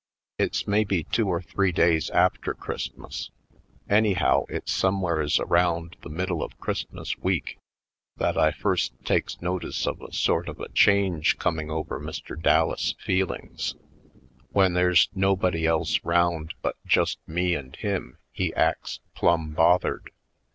It's maybe two or three days after Christ mas — anyhow it's somewheres around the middle of Christmas week — that I first takes notice of a sort of a change coming over Mr. Dallas' feelings. When there's nobody else round but just me and him he acts plumb bothered.